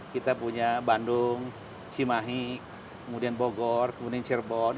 kita punya bandung cimahi kemudian bogor kemudian cirebon